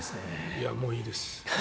いや、もういいです。